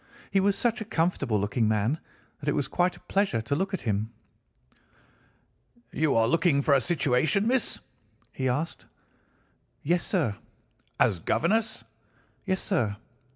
He was such a comfortable looking man that it was quite a pleasure to look at him. "'You are looking for a situation, miss?' he asked. "'Yes, sir.' "'As governess?' "'Yes, sir.